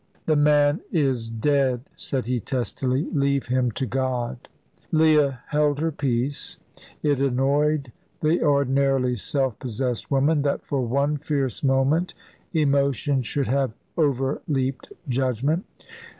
"The man is dead," said he, testily; "leave him to God." Leah held her peace. It annoyed the ordinarily self possessed woman, that for one fierce moment emotion should have overleaped judgment.